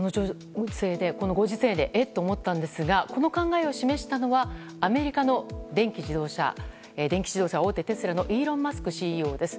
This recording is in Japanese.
このご時世でえ？と思ったんですがこの考えを示したのはアメリカの電気自動車大手テスラのイーロン・マスクＣＥＯです。